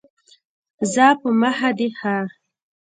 ځه په مخه دي ښه !